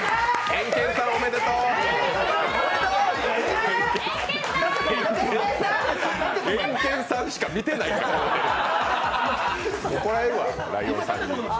エンケンさんしか見てないのか、怒られるわ！